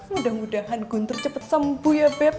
mudah mudahan guntur cepat sembuh ya bed